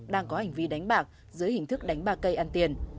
đang có hành vi đánh bạc dưới hình thức đánh bà cây ăn tiền